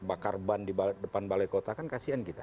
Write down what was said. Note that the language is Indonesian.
bakar ban di depan balai kota kan kasian kita